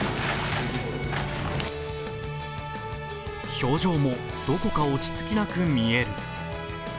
表情も、どこか落ち着きなく見える。